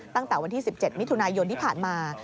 ตั้งแต่วันที่๑๗มิถุนายนที่ผ่านมา